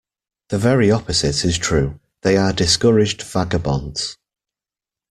The very opposite is true; they are discouraged vagabonds.